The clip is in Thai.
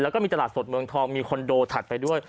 และมีตลาดโคสดเมืองคล่องมีคอนโดทับไปด้วย